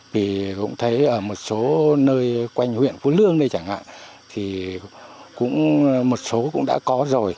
vì cũng thấy ở một số nơi quanh huyện phú lương đây chẳng hạn thì cũng một số cũng đã có rồi